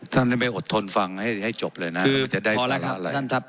ท่านได้ไปอดทนฟังให้ให้จบเลยนะคือพอแล้วครับท่านท่านทรัพย์